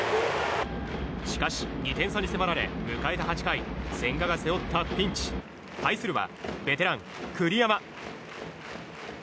しかし２点差に迫られ迎えた８回千賀が背負ったピンチ対するは、ベテラン、栗山。